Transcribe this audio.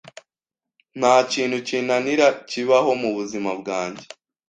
nta kintu kinanira kibaho mubuzima bwange